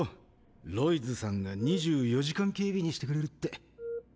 ロイズさんが２４時間警備にしてくれるって。